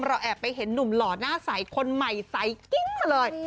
แอบไปเห็นหนุ่มหล่อหน้าใสคนใหม่ใสกิ้งมาเลย